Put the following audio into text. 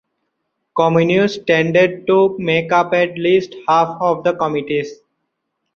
Communists tended to make up at least half of the committees.